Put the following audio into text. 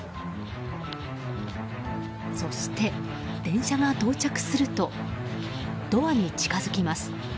そして電車が到着するとドアに近づきます。